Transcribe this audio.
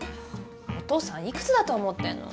お父さん幾つだと思ってんの？